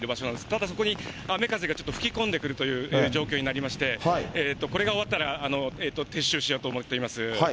ただ、ここに雨風がちょっと吹き込んでくるという状況になりまして、これが終わったら、撤収しようと思っています。